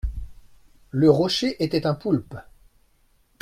Le rocher était un poulpe.